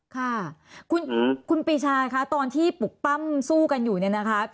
ค่ะคุณปีชาคะตอนที่ปลุกปั้มสู้กันอยู่เนี่ยนะคะ